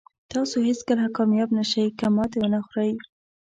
تاسو هېڅکله کامیاب نه شئ که ماتې ونه خورئ.